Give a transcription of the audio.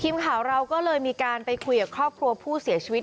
ทีมข่าวเราก็เลยมีการไปคุยกับครอบครัวผู้เสียชีวิต